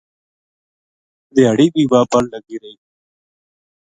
دھیاڑی بھی واہ پل لگی رہی